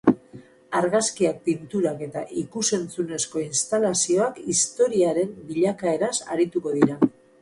Argazkiak, pinturak eta ikus-entzunezko instalazioak historiaren bilakaeraz arituko dira.